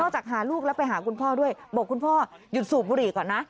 จากหาลูกแล้วไปหาคุณพ่อด้วยบอกคุณพ่อหยุดสูบบุหรี่ก่อนนะ